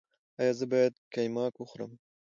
ایا زه باید قیماق وخورم؟